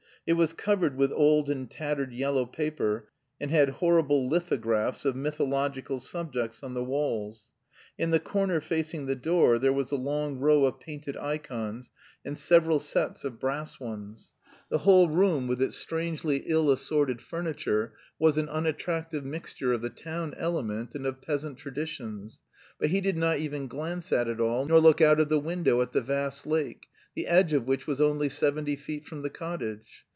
It was covered with old and tattered yellow paper, and had horrible lithographs of mythological subjects on the walls; in the corner facing the door there was a long row of painted ikons and several sets of brass ones. The whole room with its strangely ill assorted furniture was an unattractive mixture of the town element and of peasant traditions. But he did not even glance at it all, nor look out of the window at the vast lake, the edge of which was only seventy feet from the cottage.